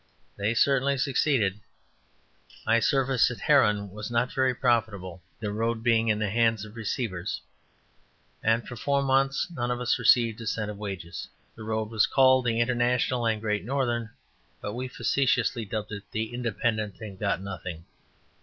They certainly succeeded. My service at Herron was not very profitable, the road being in the hands of receivers, and for four months none of us received a cent of wages. The road was called the "International & Great Northern," but we facetiously dubbed it the "Independent & Got Nothing."